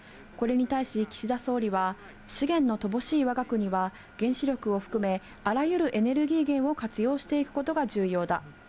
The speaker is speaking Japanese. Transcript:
これに対し岸田総理は、資源の乏しいわが国は原子力を含め、あらゆるエネルギー源を活用していくことが重要だ。